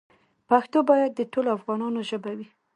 پښتو باید د ټولو افغانانو ژبه وي.